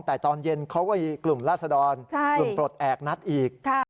แต่ตอนเย็นเขาก็มีกลุ่มราศดรกลุ่มปลดแอบนัดอีก